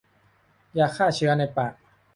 ยาฆ่าเชื้อในปาก